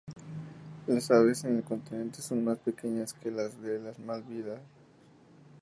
Las aves en el continente son más pequeñas que las de las Malvinas.